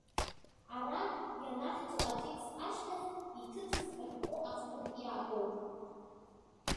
Ара ианаҳҵо атекст ашьҭахь иҭыҵыз ашәҟәы аҟнытә иаагоуп.